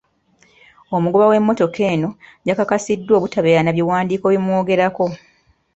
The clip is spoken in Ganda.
Omugoba w'emmotoka eno yakakasiddwa obutabeera na biwandiiko ebimwogerako.